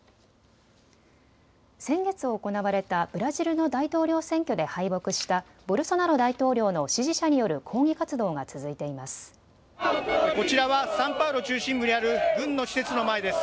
先月行われたブラジルの大統領選挙で敗北したボルソナロ大統領の支持者による抗議活動が続いています。